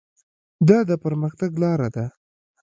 دا د پرمختګ لاره ده.